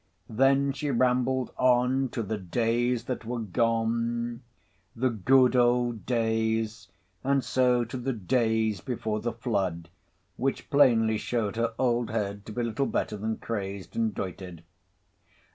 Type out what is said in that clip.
Then she rambled on to the Days that were gone, the good old Days, and so to the Days before the Flood—which plainly showed her old head to be little better than crazed and doited.